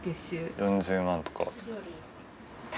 ４０万とか。